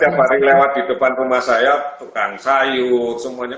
semoga yang setiap hari lewat di depan rumah saya tukang sayur semuanya